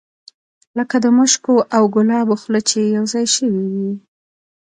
لکه د مشکو او ګلابو خوله چې یو ځای شوې وي.